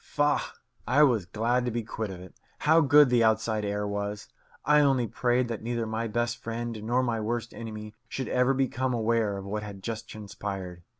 Faugh! I was glad to be quit of it. How good the outside air was! I only prayed that neither my best friend nor my worst enemy should ever become aware of what had just transpired.